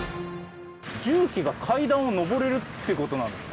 重機が階段を上れるってことなんですか？